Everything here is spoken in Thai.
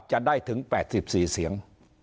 จะได้ถึง๘๔เสียง